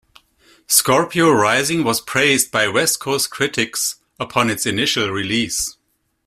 "Scorpio Rising" was praised by West Coast critics upon its initial release.